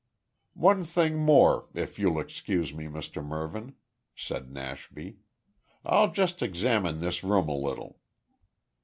"One thing more, if you'll excuse me, Mr Mervyn," said Nashby. "I'll just examine this room a little."